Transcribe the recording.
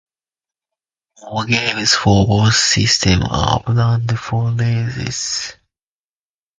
More games for both systems are planned for release.